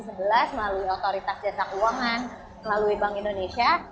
melalui otoritas jasad uangan melalui bank indonesia